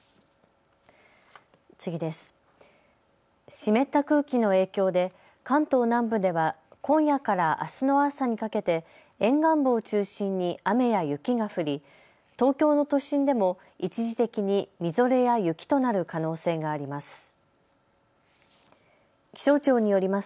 湿った空気の影響で関東南部では今夜からあすの朝にかけて沿岸部を中心に雨や雪が降り東京の都心でも一時的にみぞれや雪となる可能性があります。